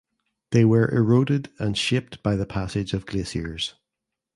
They were eroded and shaped by the passage of glaciers.